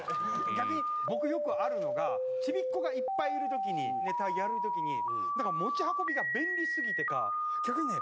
逆に僕よくあるのがちびっ子がいっぱいいる時にネタやる時に持ち運びが便利すぎてか逆にね